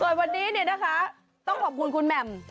ส่วนวันนี้เนี่ยนะคะต้องขอบคุณคุณแหม่ม